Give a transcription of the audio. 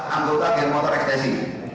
anggota geng motor eksesi